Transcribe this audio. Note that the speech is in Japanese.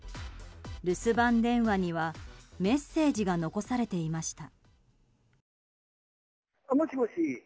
留守番電話にはメッセージが残されていました。